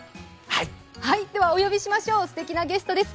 ではお呼びしましょう、すてきなゲストです。